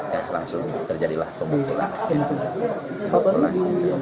ya langsung terjadilah pemukulan